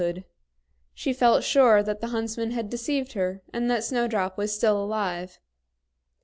She knew, therefore, that the Huntsman had deceived her, and that Snow White was still alive.